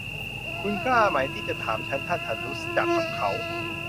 คุณกล้ามั้ยที่จะถามฉันถ้าฉันรู้จักกับเขา